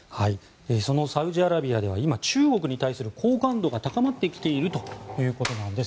そのサウジアラビアでは今、中国に対する好感度が高まってきているということなんです。